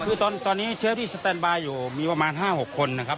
คือตอนตอนนี้เชฟที่สแตนบายอยู่มีประมาณห้าหกคนนะครับ